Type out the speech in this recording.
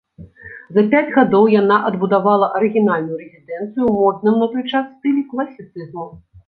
За пяць гадоў яна адбудавала арыгінальную рэзідэнцыю ў модным на той час стылі класіцызму.